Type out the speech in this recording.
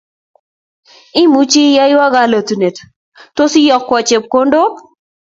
Imuchi iyoiywo kalotunet? Tos, iyokoiywo chepkondook?